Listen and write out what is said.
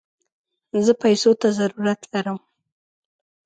زه پيسوته ضرورت لم